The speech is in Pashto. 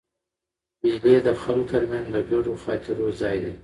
مېلې د خلکو تر منځ د ګډو خاطرو ځای دئ.